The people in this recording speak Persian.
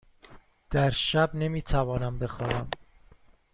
در شب نمی توانم بخوابم.